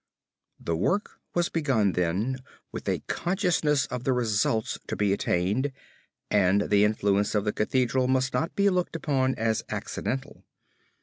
The work was begun then with a consciousness of the results to be attained and the influence of the Cathedral must not be looked upon as accidental.